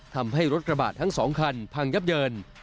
ทำให้รถกระบะทั้ง๒คันพังยับเยิน